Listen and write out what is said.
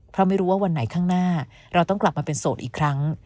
เพราะไม่รู้ว่าวันไหนข้างหน้าเราต้องกลับมาเป็นโสดอีกครั้ง